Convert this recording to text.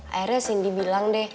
akhirnya sindi bilang deh